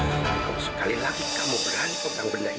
kalau sekali lagi kamu berani pembahang benda ini